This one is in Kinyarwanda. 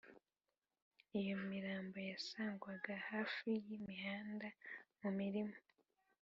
Iyo mirambo yasangwaga hafi y’imihanda, mu mirima